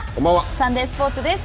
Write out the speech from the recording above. サンデースポーツです。